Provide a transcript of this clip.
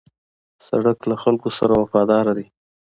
سړک له خلکو سره وفاداره دی.